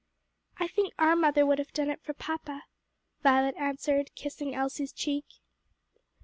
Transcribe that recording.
"I think our mother would have done it for papa," Violet answered, kissing Elsie's cheek.